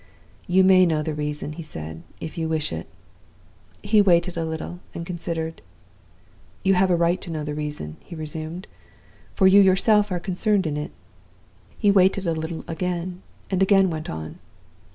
"'You may know the reason,' he said, 'if you wish it.' He waited a little, and considered. 'You have a right to know the reason,' he resumed, 'for you yourself are concerned in it.' He waited a little again, and again went on.